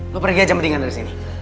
gue pergi aja mendingan dari sini